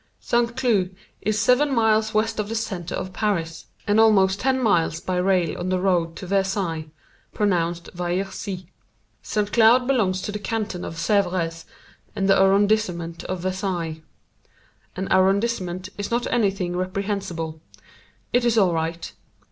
St. Cloud is seven miles west of the center of Paris and almost ten miles by rail on the road to Versailles pronounced Vairsi. St. Cloud belongs to the canton of Sèvres and the arrondissement of Versailles. An arrondissement is not anything reprehensible. It is all right.